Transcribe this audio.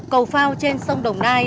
cầu phao trên sông đồng nai